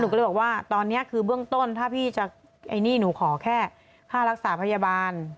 ก็เลยบอกว่าตอนนี้คือเบื้องต้นถ้าพี่จะไอ้นี่หนูขอแค่ค่ารักษาพยาบาล